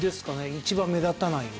一番目立たない色。